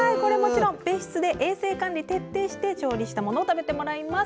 別室で衛生管理を徹底して調理したものを食べてもらいます。